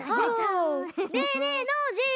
ねえねえノージー。